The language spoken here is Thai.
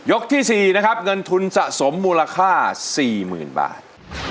ที่๔นะครับเงินทุนสะสมมูลค่า๔๐๐๐บาท